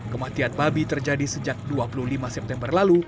kematian babi terjadi sejak dua puluh lima september lalu